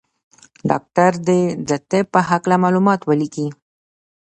ډاکټر دي د طب په هکله معلومات ولیکي.